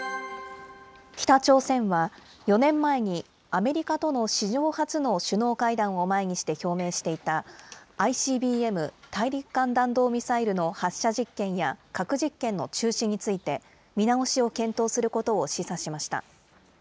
北朝鮮は、４年前にアメリカとの史上初の首脳会談を前にして表明していた、ＩＣＢＭ・大陸間弾道ミサイルの発射実験や核実験の中止について、見直しを検討することを示唆しました。